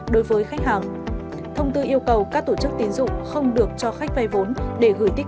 đối với khách hàng thông tư yêu cầu các tổ chức tín dụng không được cho khách vay vốn để gửi tiết